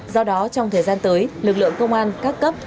do đó trong thời gian tới lực lượng công an các cấp